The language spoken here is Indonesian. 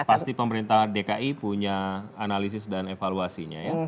pasti pemerintah dki punya analisis dan evaluasinya ya